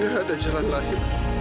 gak ada jalan lagi